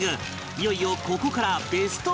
いよいよここからベスト５